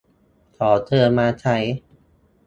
ขอเชิญมาใช้